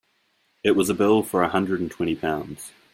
It was a bill for a hundred and twenty pounds.